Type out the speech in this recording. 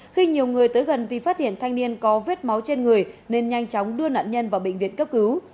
khi nhiều người tới gần thì phát hiện thanh niên có vết máu trên người nên nhanh chóng đưa nạn nhân vào bệnh viện cấp cứu